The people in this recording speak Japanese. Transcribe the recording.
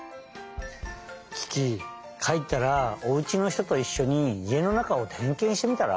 キキかえったらおうちのひとといっしょに家の中をてんけんしてみたら？